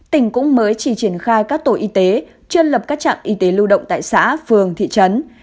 tỉnh cũng mới chỉ triển khai các tổ y tế chưa lập các trạm y tế lưu động tại xã phường thị trấn